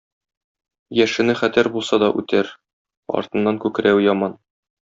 Яшене хәтәр булса да үтәр, артыннан күкрәве яман.